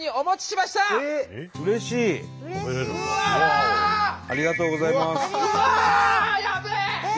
ありがとうございます。